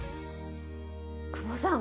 久保さん